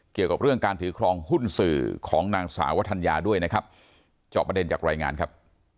เกี่ยวกับเรื่องการถือครองหุ้นสื่อของนางสาวธัญญาด้วยนะครับ